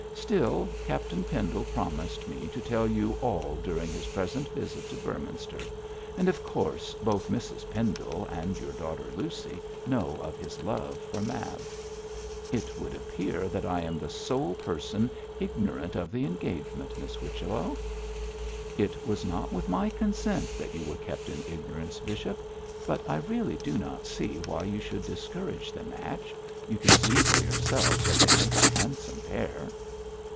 Still, Captain Pendle promised me to tell you all during his present visit to Beorminster. And, of course, both Mrs Pendle and your daughter Lucy know of his love for Mab.' 'It would appear that I am the sole person ignorant of the engagement, Miss Whichello.' 'It was not with my consent that you were kept in ignorance, bishop. But I really do not see why you should discourage the match. You can see for yourself that they make a handsome pair.'